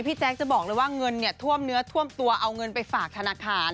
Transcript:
แจ๊คจะบอกเลยว่าเงินเนี่ยท่วมเนื้อท่วมตัวเอาเงินไปฝากธนาคาร